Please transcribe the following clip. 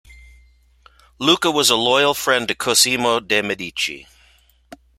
Luca was a loyal friend to Cosimo de' Medici.